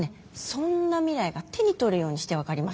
そんな未来が手に取るようにして分かります。